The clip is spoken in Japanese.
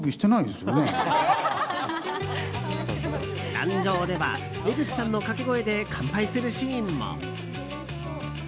壇上では江口さんの掛け声で乾杯するシーンも。